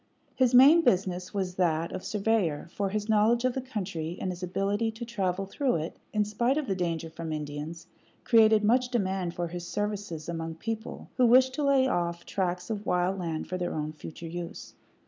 His main business was that of surveyor, for his knowledge of the country, and his ability to travel through it, in spite of the danger from Indians, created much demand for his services among people who wished to lay off tracts of wild land for their own future use.